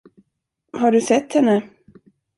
Har du sett henne?